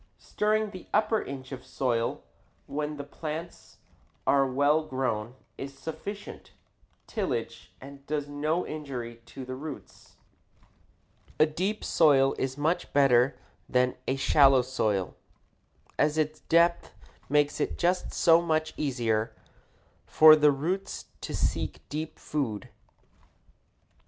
Stirring the upper inch of soil when the plants are well grown is sufficient tillage and does no injury to the roots. [Illustration: FIG. 20. CORN ROOTS REACH FROM ROW TO ROW] A deep soil is much better than a shallow soil, as its depth makes it just so much easier for the roots to seek deep food.